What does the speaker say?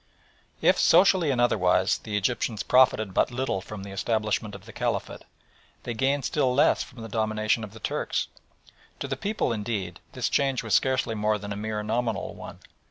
If socially and otherwise the Egyptians profited but little from the establishment of the Caliphate, they gained still less from the domination of the Turks. To the people, indeed, this change was scarcely more than a mere nominal one.